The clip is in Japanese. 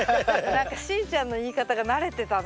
何かしーちゃんの言い方が慣れてたな。